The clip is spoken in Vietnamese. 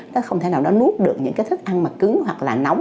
nó không thể nào đó nuốt được những cái thức ăn mà cứng hoặc là nóng